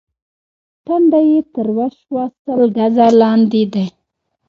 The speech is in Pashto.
ټنډه يې تروه شوه: سل ګزه لاندې دي.